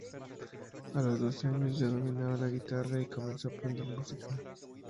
A los doce años ya dominaba la guitarra y comenzó a aprender música.